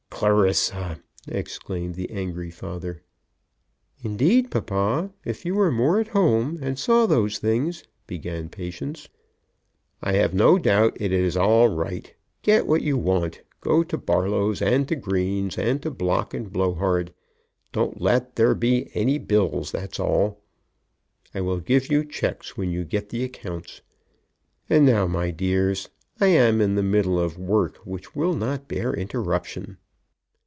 "Clarissa!" exclaimed the angry father. "Indeed, papa, if you were more at home and saw these things," began Patience "I have no doubt it is all right. Get what you want. Go to Barlow's and to Green's, and to Block and Blowhard. Don't let there be any bills, that's all. I will give you cheques when you get the accounts. And now, my dears, I am in the middle of work which will not bear interruption."